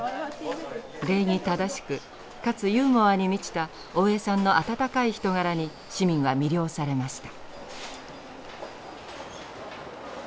礼儀正しくかつユーモアに満ちた大江さんの温かい人柄に市民は魅了されました。